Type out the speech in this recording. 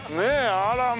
あらま。